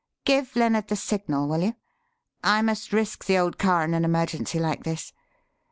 Give Lennard the signal, will you? I must risk the old car in an emergency like this.